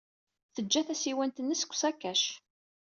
Tejja tasiwant-nnes deg usakac.